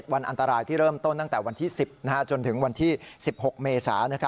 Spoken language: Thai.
วันอันตรายที่เริ่มต้นตั้งแต่วันที่๑๐จนถึงวันที่๑๖เมษา